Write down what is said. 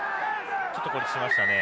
ちょっと孤立しましたね。